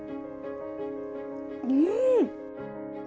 うん。